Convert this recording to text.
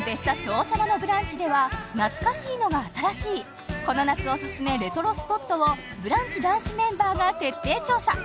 王様のブランチ」では懐かしいのが新しいこの夏オススメレトロスポットをブランチ男子メンバーが徹底調査